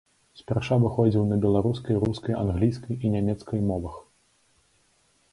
Спярша выходзіў на беларускай, рускай, англійскай і нямецкай мовах.